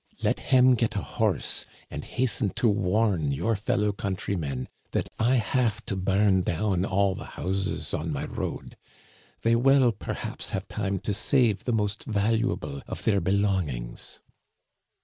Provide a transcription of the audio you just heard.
Let him get a horse and hasten to warn your fellow countr)rmen that I have to bum down all the houses on my road. They will, perhaps, have time to save the most valuable of their belongings."